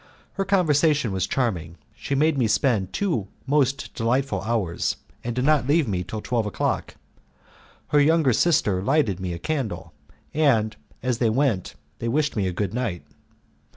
Her conversation was charming; she made me spend two most delightful hours, and did not leave me till twelve o'clock. Her younger sister lighted me a candle, and as they went they wished me a good night.